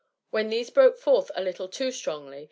When these broke forth a little too strongly.